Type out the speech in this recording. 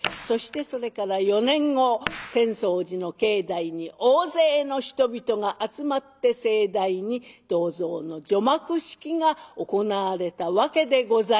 そしてそれから４年後浅草寺の境内に大勢の人々が集まって盛大に銅像の除幕式が行われたわけでございます。